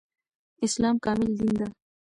اسلام کامل دين ده